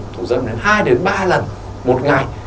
thủ dâm đến hai đến ba lần một ngày